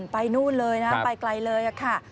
นู่นเลยนะไปไกลเลยค่ะ